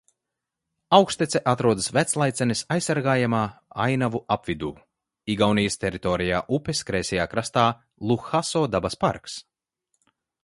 Augštece atrodas Veclaicenes aizsargājamajā ainavu apvidū, Igaunijas teritorijā upes kreisajā krastā Luhaso dabas parks.